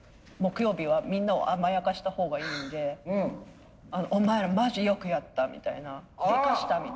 木曜日はみんなを甘やかしたほうがいいんで「お前らマジよくやった！」みたいな「でかした！」